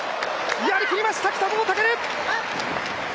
やりきりました、北園丈琉！